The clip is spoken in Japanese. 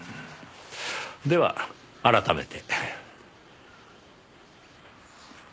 では改めて。